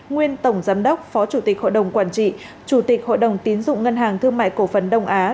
nguyên tổng giám đốc phó chủ tịch hội đồng quản trị chủ tịch hội đồng tiến dụng ngân hàng thương mại cổ phần đông á